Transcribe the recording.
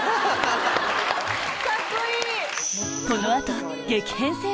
カッコいい！